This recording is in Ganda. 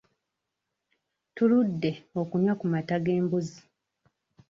Tuludde okunywa ku mata g'embuzi.